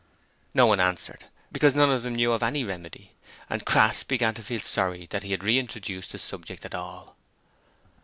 No one answered, because none of them knew of any remedy: and Crass began to feel sorry that he had re introduced the subject at all.